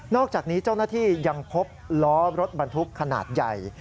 อกจากนี้เจ้าหน้าที่ยังพบล้อรถบรรทุกขนาดใหญ่